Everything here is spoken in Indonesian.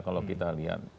kalau kita lihat